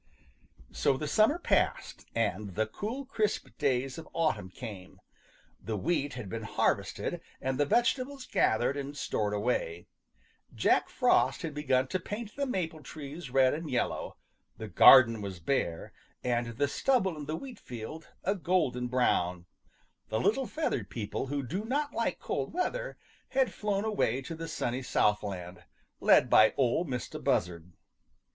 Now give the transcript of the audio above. So the summer passed, and the cool crisp days of autumn came. The wheat had been harvested and the vegetables gathered and stored away. Jack Frost had begun to paint the maple trees red and yellow, the garden was bare, and the stubble in the wheat field a golden brown. The little feathered people who do not like cold weather had flown away to the sunny Southland, led by Ol' Mistah Buzzard.